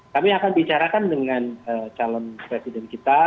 kami akan bicarakan dengan calon presiden kita